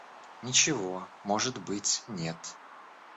Ничего, может быть, нет.